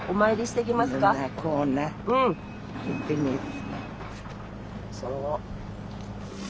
行ってみる。